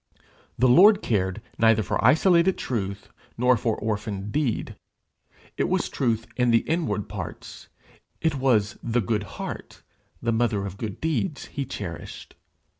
The Lord cared neither for isolated truth nor for orphaned deed. It was truth in the inward parts, it was the good heart, the mother of good deeds, he cherished.